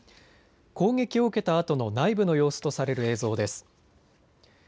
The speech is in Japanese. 攻撃を受けたあとの内部の様子とされる映像です。